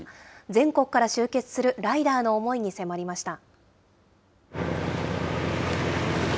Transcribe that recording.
全国から集結するライダーの思いに迫りました。